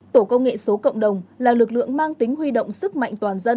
tổ công nghệ số cộng đồng là lực lượng mang tính huy động sức mạnh toàn dân